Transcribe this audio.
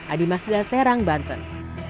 adi masjidah serang banten